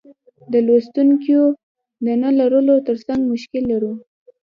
د لوستونکیو د نه لرلو ترڅنګ مشکل لرو.